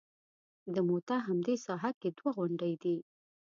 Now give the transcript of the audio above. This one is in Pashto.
د موته همدې ساحه کې دوه غونډۍ دي.